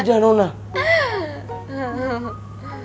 tidak ada apa apa